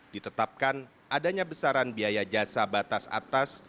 ditetapkan adanya besaran biaya jasa batas atas